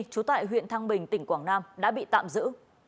trú tại huyện thăng bình tỉnh quảng nam đã bị tạm giữ